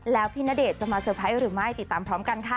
แล้วพี่ณเดชน์จะมาเตอร์ไพรส์หรือไม่ติดตามพร้อมกันค่ะ